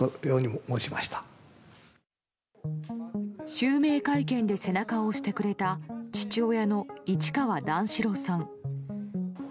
襲名会見で背中を押してくれた父親の市川段四郎さん。